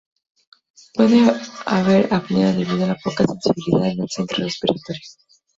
Puede haber apnea debido a la poca sensibilidad del centro respiratorio.